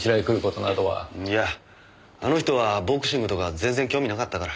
いやあの人はボクシングとかは全然興味なかったから。